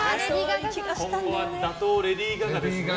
打倒レディー・ガガですね。